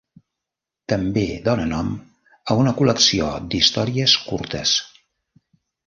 També dona nom a una col·lecció d'històries curtes.